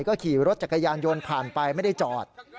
ก็ขี่รถจักรยานยนต์ผ่านไปไม่ได้จอด